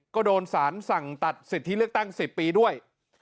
ก็โดนสารสั่งตัดสิทธิเลือกตั้ง๑๐ปีด้วย